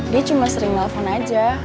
dia cuma sering nelfon aja